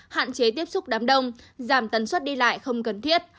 hạn chế tiếp xúc đám đông giảm tần suất đi lại không cần thiết